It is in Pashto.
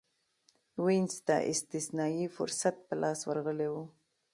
وینز ته استثنايي فرصت په لاس ورغلی و